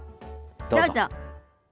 どうぞ。